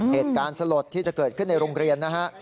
เหตุการณ์สลดที่จะเกิดขึ้นในโรงเรียนนะฮะ